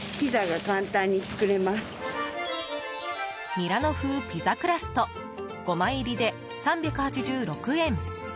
ミラノ風ピザクラスト５枚入りで３８６円。